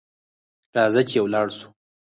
راځه چي ولاړ سو .